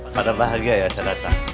pada bahagia ya sadatah